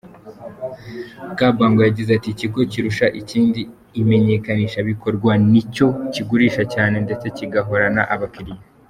Kabango yagize ati “Ikigo kirusha ikindi imenyekanishabikorwa nicyo kigurisha cyane ndetse kigahorana abakiriya.